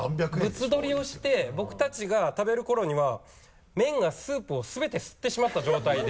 物撮りをして僕たちが食べるころには麺がスープを全て吸ってしまった状態で。